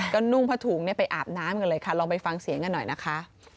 ก็นุ่งผ้าถุงไปอาบน้ำกันเลยค่ะลองไปฟังเสียงกันหน่อยนะคะ